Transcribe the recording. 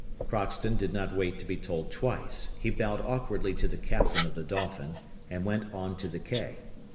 Crockston did not want to be told twice; he bowed awkwardly to the Captain of the Dolphin, and went on to the quay.